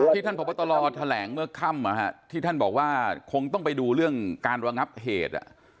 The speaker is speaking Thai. ท่านพบตรแถลงเมื่อค่ำที่ท่านบอกว่าคงต้องไปดูเรื่องการระงับเหตุ